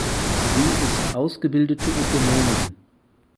Sie ist ausgebildete Ökonomin.